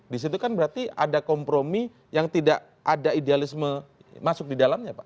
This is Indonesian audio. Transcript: di situ kan berarti ada kompromi yang tidak ada idealisme masuk di dalamnya pak